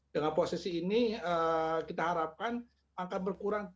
dengan posisi ini kita harapkan akan berkurang